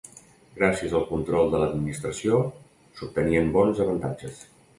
Gràcies al control de l'administració s'obtenien bons avantatges.